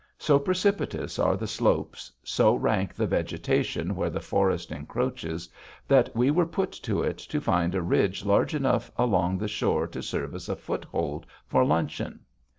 So precipitous are the slopes, so rank the vegetation where the forest encroaches, that we were put to it to find a ridge large enough along the shore to serve as a foothold for luncheon.